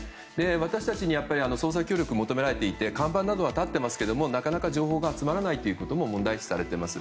私たちに捜査協力を求められていて看板などは立っていますがなかなか情報が集まらないことも問題視されています。